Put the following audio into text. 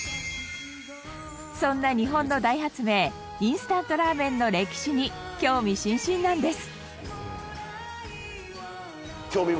そんな日本の大発明インスタントラーメンの歴史に興味津々なんです。